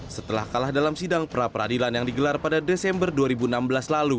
setelah kalah dalam sidang pra peradilan yang digelar pada desember dua ribu enam belas lalu